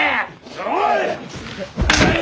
おい！